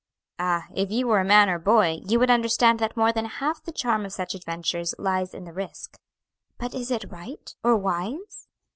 "Ah, if you were a man or boy you would understand that more than half the charm of such adventures lies in the risk." "But is it right, or wise?"